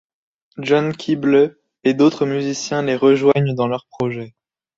John Keeble et d'autres musiciens les rejoignent dans leur projet.